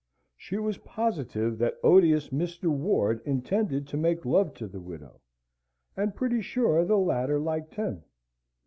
She was positive that odious Mr. Ward intended to make love to the widow, and pretty sure the latter liked him.